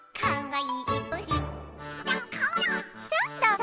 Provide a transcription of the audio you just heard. かわいい？